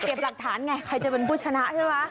เกลียบหลักฐานหน่อยใครจะเป็นผู้ชนะใช่ไหม